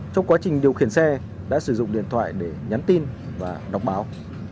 trong quá trình điều khiển xe đã sử dụng điện thoại để nhắn tin và đọc báo